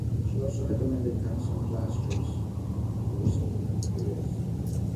She also recommended cancelling class trips to risk areas.